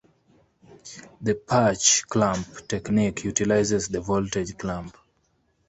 The patch clamp technique utilizes the voltage clamp.